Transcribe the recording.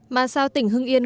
mà sao tỉnh hương yên